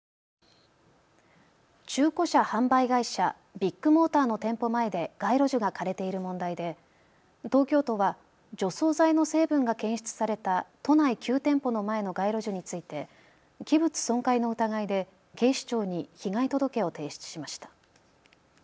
中古車販売会社、ビッグモーターの店舗前で街路樹が枯れている問題で東京都は除草剤の成分が検出された都内９店舗の前の街路樹について器物損壊の疑いで警視庁に被害届を提出しました。